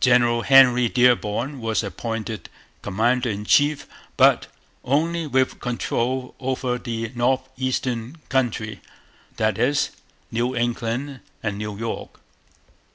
General Henry Dearborn was appointed commander in chief, but only with control over the north eastern country, that is, New England and New York.